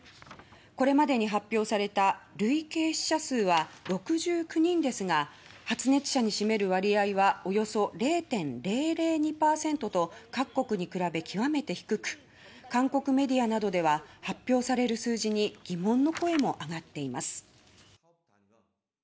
これまでに発表された累計死者数は６９人ですが発熱者に占める割合はおよそ０．００２％と各国に比べ極めて低く韓国メディアなどでは発表される数字に疑問の声もあがっています。